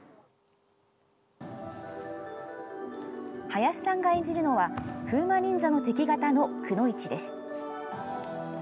林さんが演じるのは、風魔忍者の敵方のくノ一です。